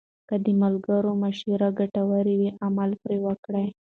که د ملګرو مشوره ګټوره وي، عمل پرې وکړئ.